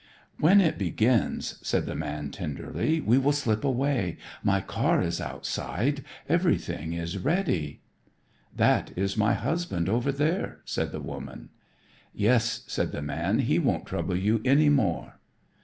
"When it begins," said the man tenderly, "we will slip away. My car is outside. Everything is ready." "That is my husband over there," said the woman. "Yes," said the man, "he won't trouble you any more."